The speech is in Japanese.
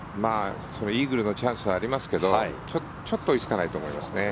イーグルのチャンスはありますけどちょっと追いつかないと思いますね。